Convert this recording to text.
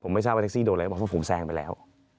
ไม่ทราบว่าแท็กซี่โดนอะไรเพราะผมแซงไปแล้ว